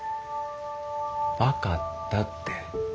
分かったって。